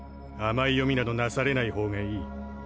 甘い読みなどなされないほうがいい。